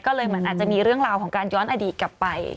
ก็เลยเหมือนอาจจะมีเรื่องราวของการย้อนอดีตกลับไป